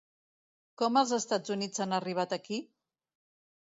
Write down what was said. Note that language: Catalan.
Com els Estats Units han arribat aquí?